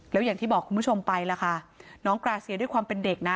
แล้วอย่างที่บอกคุณผู้ชมไปล่ะค่ะน้องกราเซียด้วยความเป็นเด็กนะ